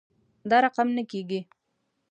دا رقم نه کیږي